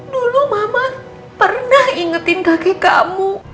dulu mama pernah ingetin kaki kamu